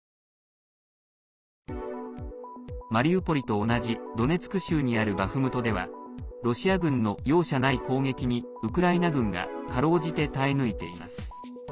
マリウポリと同じドネツク州にあるバフムトではロシア軍の容赦ない攻撃にウクライナ軍がかろうじて耐え抜いています。